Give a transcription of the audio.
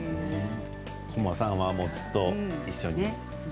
本間さんはもうずっと一緒に。